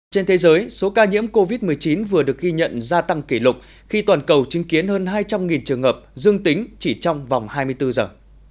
trên thế giới số ca nhiễm covid một mươi chín vừa được ghi nhận gia tăng kỷ lục khi toàn cầu chứng kiến hơn hai trăm linh trường hợp dương tính chỉ trong vòng hai mươi bốn giờ